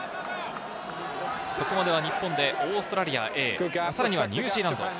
ここまでは日本でオーストラリアＡ、さらにはニュージーランド。